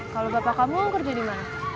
kalau bapak kamu kerja di mana